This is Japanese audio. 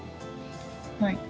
はい。